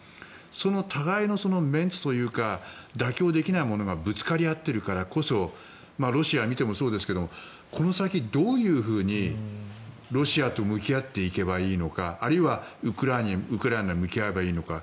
その互いのメンツというか妥協できないものがぶつかり合っているからこそロシアを見てもそうですがこの先どういうふうにロシアと向き合っていけばいいのかあるいはウクライナに向き合えばいいのか。